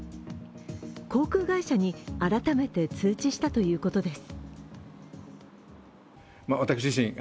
航空会社に改めて通知したということです。